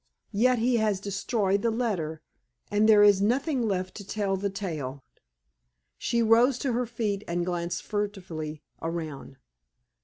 Yet he has destroyed the letter, and there is nothing left to tell the tale." She rose to her feet and glanced furtively around.